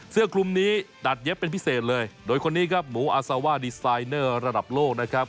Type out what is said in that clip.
เสื้อคลุมนี้ตัดเย็บเป็นพิเศษเลยโดยคนนี้ครับหมูอาซาว่าดีไซเนอร์ระดับโลกนะครับ